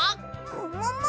ももも？